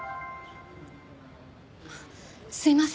すいません。